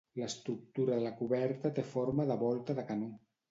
L'estructura de la coberta té forma de volta de canó.